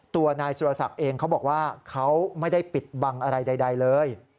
ตัวนายสุรศักดิ์เองเขาบอกว่าเขาไม่ได้ปิดบังอะไรใดเลย